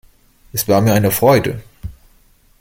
Es war mir eine Freude.